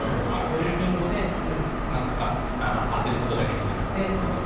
そういうビンゴで当てることができなくてていう。